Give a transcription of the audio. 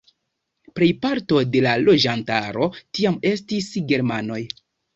Plejparto de la loĝantaro tiam estis germanoj.